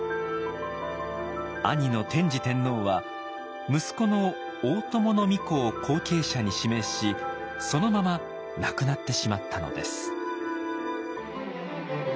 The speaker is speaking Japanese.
兄の天智天皇は息子の大友皇子を後継者に指名しそのまま亡くなってしまったのです。